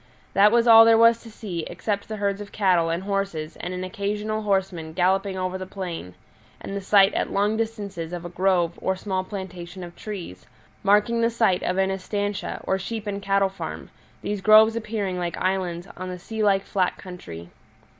That was all there was to see, except the herds of cattle and horses and an occasional horseman galloping over the plain, and the sight at long distances of a grove or small plantation of trees, marking the site of an estancia, or sheep and cattle farm, these groves appearing like islands on the sea like flat country.